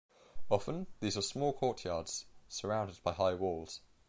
Often these were small courtyards surrounded by high walls.